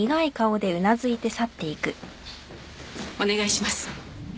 お願いします。